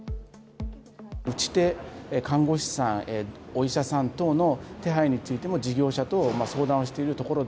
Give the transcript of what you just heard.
打ち手、看護師さん、お医者さん等の手配についても、事業者と相談をしているところで。